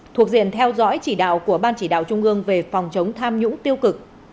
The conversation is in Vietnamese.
thuộc diện theo dõi chỉ đạo của ban chỉ đạo trung ương về phòng chống tham nhũng tiêu cực